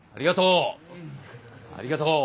ありがとう。